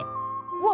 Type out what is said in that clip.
うわ！